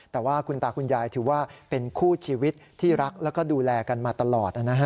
แต่ว่าคุณตาคุณยายถือว่าเป็นคู่ชีวิตที่รักแล้วก็ดูแลกันมาตลอดนะฮะ